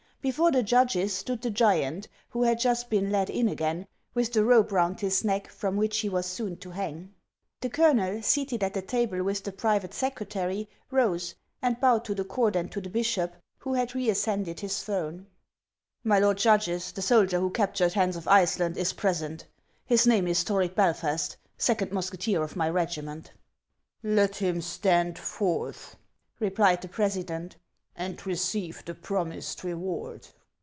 Before the judges stood the giant, who had just been led in again, with the rope round his neck from which he was soon to hang. 472 HANS OF ICELAND. The colonel, seated at the table with the private secre tary, rose and bowed to the court and to the bishop, who had reascended his throne. " My lord judges, the soldier who captured Hans of Ice land is present. His name is Toric Belfast, second mus keteer of my regiment." " Let him stand forth," replied the president, " and receive the promised reward."